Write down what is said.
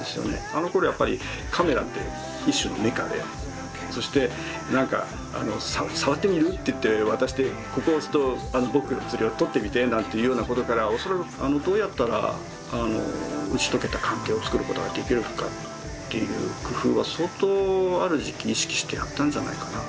あのころやっぱりカメラって一種のメカでそして何か「触ってみる？」って言って渡して「ここを押すと僕が写るよ。撮ってみて」なんていうようなことから恐らくどうやったら打ち解けた関係をつくることができるかという工夫は相当ある時期意識してやったんじゃないかな。